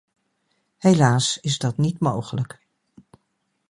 Helaas is dat niet mogelijk.